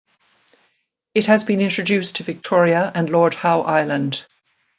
It has been introduced to Victoria and Lord Howe Island.